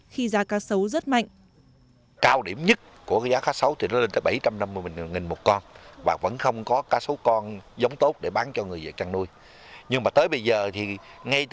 khi giá cá sấu giống bắt đầu